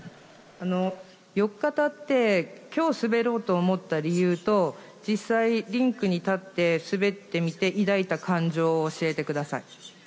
４日たってきょう滑ろうと思った理由と、実際、リンクに立って滑ってみて、抱いた感情を教えてください。